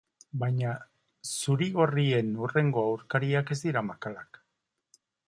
Baina zuri-gorrien hurrengo aurkariak ez dira makalak.